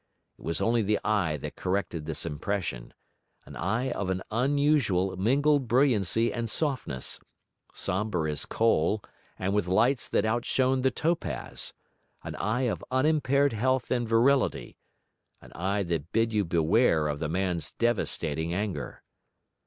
It was only the eye that corrected this impression; an eye of an unusual mingled brilliancy and softness, sombre as coal and with lights that outshone the topaz; an eye of unimpaired health and virility; an eye that bid you beware of the man's devastating anger.